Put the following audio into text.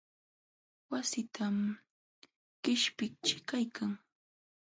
Wassitam qishpiqćhii qanyan.